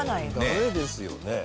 ダメですよね